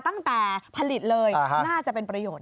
ตั้งแต่ผลิตเลยน่าจะเป็นประโยชน